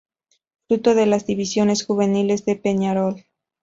Fruto de las divisiones juveniles de Peñarol.